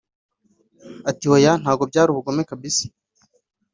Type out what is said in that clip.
Ati “ Oya ntabwo byari ubugome kabisa